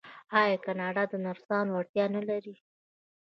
آیا کاناډا د نرسانو اړتیا نلري؟